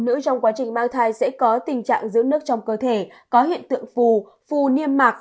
nữ trong quá trình mang thai sẽ có tình trạng giữ nước trong cơ thể có hiện tượng phù niêm mạc